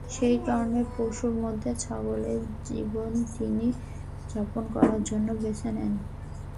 সেই কারণে পশুর মধ্যে ছাগলের জীবনই তিনি যাপন করার জন্য বেছে নেন।